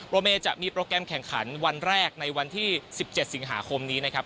เมย์จะมีโปรแกรมแข่งขันวันแรกในวันที่๑๗สิงหาคมนี้นะครับ